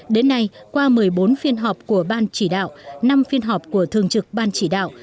đến nay qua một mươi bốn phiên họp của ban chỉ đạo năm phiên họp của thường trực ban chỉ đạo